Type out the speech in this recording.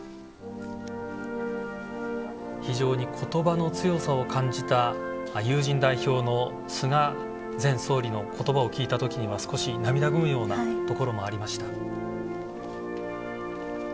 非常に言葉の強さを感じた友人代表の菅前総理の言葉を聞いた時には少し涙ぐむようなところもありました。